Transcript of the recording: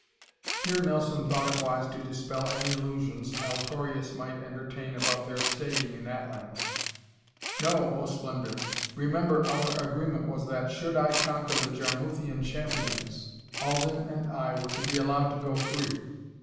Here Nelson thought it wise to dispel any illusions Altorius might entertain about their staying in Atlans. "No, oh Splendor: remember, our agreement was that, should I conquer the Jarmuthian champions, Alden and I were to be allowed to go free."